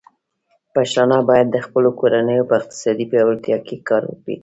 پښتانه بايد د خپلو کورنيو په اقتصادي پياوړتيا کې کار وکړي.